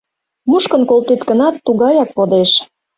Мушкын колтет гынат, тугаяк кодеш.